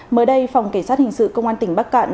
mới đây phòng cảnh sát hình sự công an tỉnh bắc cạn